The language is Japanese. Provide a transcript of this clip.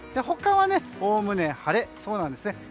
他はおおむね晴れそうなんですね。